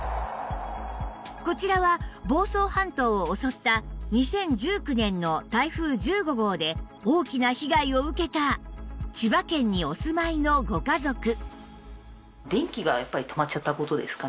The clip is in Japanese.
こちらは房総半島を襲った２０１９年の台風１５号で大きな被害を受けた千葉県にお住まいのご家族